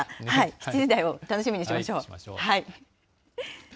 ７時台を楽しみにしましょう。